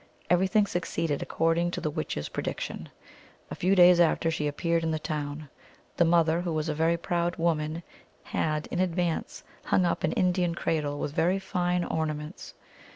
Everything succeeded according to the witch s pre diction. A few days after she appeared in the town. The mother, who was a very proud woman, had in advance hung up an Indian cradle with very fine or naments.